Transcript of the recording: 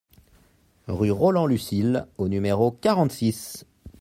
Rue Roland Lucile au numéro quarante-six